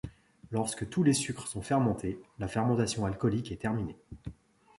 Lorsque tous les sucres sont fermentés, la fermentation alcoolique est terminée.